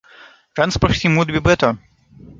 Transport him would be better!